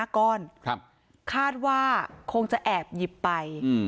๔๕ก้อนครับคาดว่าคงจะแอบหยิบไปแล้ว